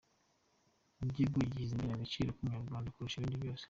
Igihugu gishyize imbere agaciro k’umunyarwanda kurusha ibindi byose.